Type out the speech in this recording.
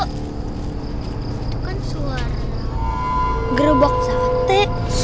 itu kan suara gerebek sate